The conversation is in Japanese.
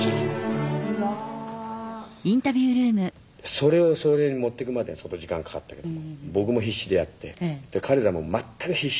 それをそういうふうに持ってくまで相当時間かかったけど僕も必死でやって彼らも全く必死。